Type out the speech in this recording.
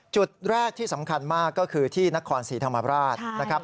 จุดแรกที่สำคัญมากก็คือที่นครศรีธรรมราชนะครับ